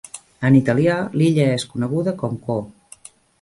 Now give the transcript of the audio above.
En italià, l'illa es coneguda com "Coo".